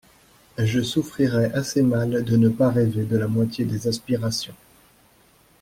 Je souffrirai assez mal de ne pas rêver de la moitié des aspirations.